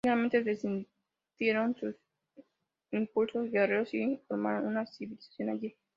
Finalmente desistieron de sus impulsos guerreros, y formaron una civilización allí.